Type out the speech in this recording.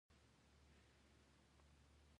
زغال د افغانستان په اوږده تاریخ کې ذکر شوی دی.